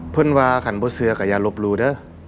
พึ่งวาขันบุตรเสือกะยาลบลูเด้อ